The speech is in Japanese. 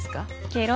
ケロ。